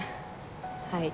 はい。